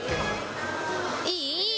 いい？